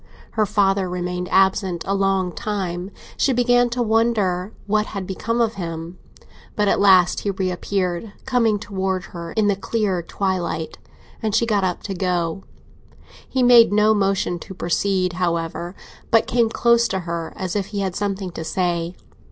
Her father remained absent a long time; she began to wonder what had become of him. But at last he reappeared, coming towards her in the clear twilight, and she got up, to go on. He made no motion to proceed, however, but came close to her, as if he had something to say.